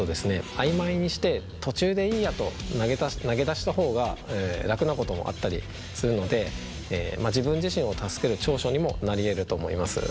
あいまいにして途中でいいやと投げ出した方が楽なこともあったりするので自分自身を助ける長所にもなりえると思います。